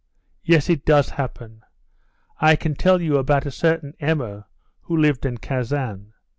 "Yes, it does happen. I can tell you about a certain Emma who lived in Kasan.